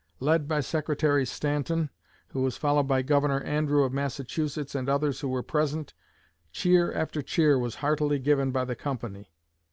Led by Secretary Stanton, who was followed by Governor Andrew of Massachusetts and others who were present, cheer after cheer was heartily given by the company.